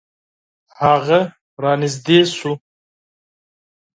هغه را نژدې شو .